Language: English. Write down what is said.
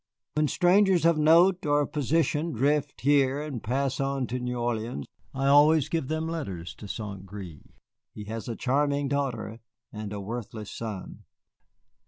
"When strangers of note or of position drift here and pass on to New Orleans, I always give them letters to Saint Gré. He has a charming daughter and a worthless son."